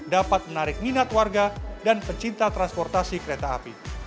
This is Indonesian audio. dapat menarik minat warga dan pecinta transportasi kereta api